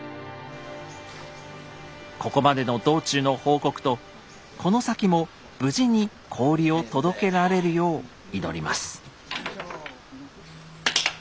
ここまでの道中の報告とこの先も無事に氷を届けられるよう祈ります。